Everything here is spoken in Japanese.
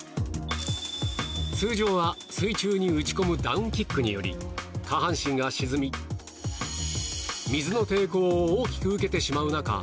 通常は、水中に打ち込むダウンキックにより下半身が沈み水の抵抗を大きく受けてしまう中